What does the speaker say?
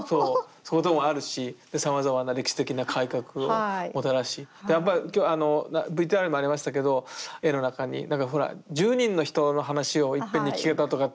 そういうこともあるしさまざまな歴史的な改革をもたらしでやっぱりＶＴＲにもありましたけど絵の中になんかほら１０人の人の話をいっぺんに聞けたとかって。